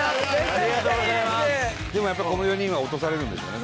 でもやっぱこの４人は落とされるんでしょうね。